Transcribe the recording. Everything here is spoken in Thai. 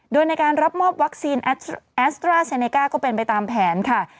โดยในการรับมอบวัคซีนแอสตราเซเนก้าก็เป็นไปตามแผนค่ะ